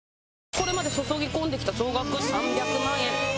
これまで注ぎ込んできた総額３００万円。